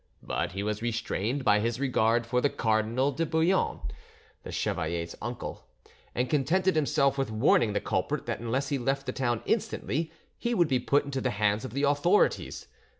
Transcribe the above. But he was restrained by his regard for the Cardinal de Bouillon, the chevalier's uncle, and contented himself with warning the culprit that unless he left the town instantly he would be put into the hands of the authorities.